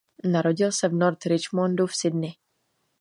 Narodil se v North Richmondu v Sydney.